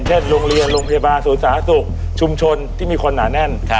โรงเรียนโรงพยาบาลศูนย์สาธารณสุขชุมชนที่มีคนหนาแน่น